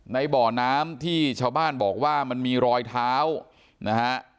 ในบ่อน้ำที่ชาวบ้านบอกว่ามันมีรอยเท้านะฮะ